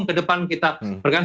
kedepan kita berganj